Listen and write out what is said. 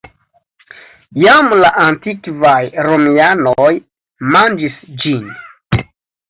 Jam la antikvaj romianoj manĝis ĝin.